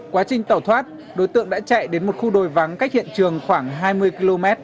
quá trình tẩu thoát đối tượng đã chạy đến một khu đồi vắng cách hiện trường khoảng hai mươi km